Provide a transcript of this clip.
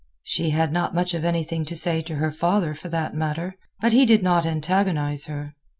She had not much of anything to say to her father, for that matter; but he did not antagonize her.